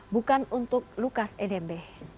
bukan untuk lukas nmb